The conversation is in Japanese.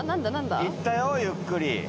行ったよゆっくり。